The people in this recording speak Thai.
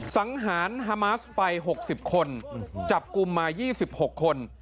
สังหารฮามาสไป๖๐คนจับกลุ่มมา๒๖คน